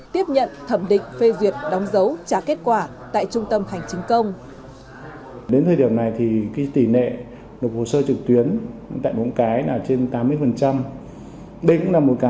tiếp nhận thẩm định phê duyệt đóng dấu trả kết quả tại trung tâm hành chính công